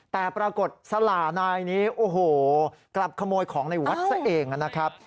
แต่ปรากฏสล่านายนี้โอ้โหกลับขโมยของในวัดซะเองนะครับ